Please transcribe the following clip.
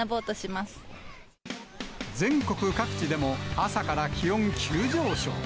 全国各地でも朝から気温急上昇。